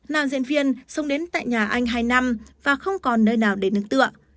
nam diễn viên sống đến tại nhà anh hai năm và không còn nơi nào để nứng tựa